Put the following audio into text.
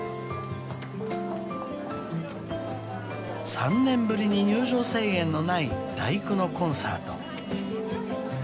［３年ぶりに入場制限のない『第九』のコンサート］